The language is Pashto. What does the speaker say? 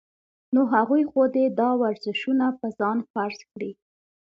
نو هغوي خو دې دا ورزشونه پۀ ځان فرض کړي -